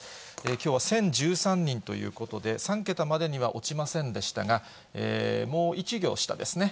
きょうは１０１３人ということで、３桁までには落ちませんでしたが、もう１行下ですね。